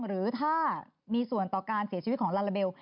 หรือถ้ามีส่วนต่อการเสียชีวิตของลาลาเบล